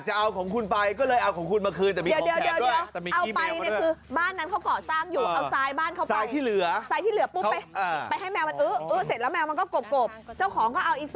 เจ้าของก็เอาไอ้ทรายพร้อมขี้แมวมาคืน